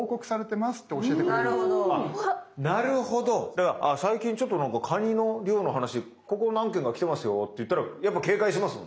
だから最近ちょっとなんかカニの漁の話ここ何件か来てますよって言ったらやっぱ警戒しますもんね。